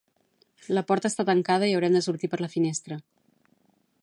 La porta està tancada i haurem de sortir per la finestra